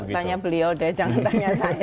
tanya beliau deh jangan tanya saya